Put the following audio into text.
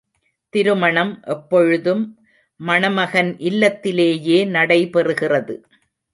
திருமணம் எப்பொழுதும், மணமகன் இல்லத்திலேயே நடைபெறுகிறது.